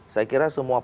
saya kira semua partai